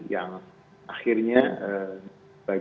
yang akhirnya bagian dari agama agama ini yang kita lakukan kita lakukan